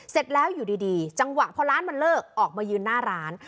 เสร็จแล้วอยู่ดีจังหวะพอร้านมันเลิกออกมายืนหน้าร้าน